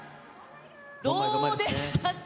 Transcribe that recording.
どうでしたか。